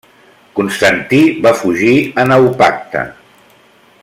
Constantí va fugir a Naupacte.